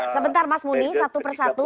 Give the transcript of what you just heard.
sebentar mas muni satu persatu